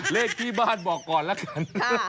เลขที่บ้านบอกก่อนละกัน